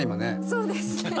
そうですね。